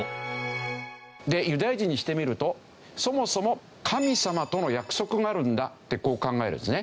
でユダヤ人にしてみるとそもそも「神様との約束があるんだ」ってこう考えるんですね。